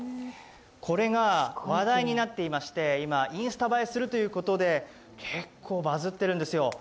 これが話題になっていまして今、インスタ映えするということで結構バズっているんですよ。